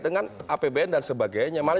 dengan apbn dan sebagainya